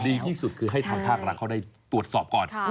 ดีที่สุดคือให้ทางภาครัฐเขาได้ตรวจสอบก่อน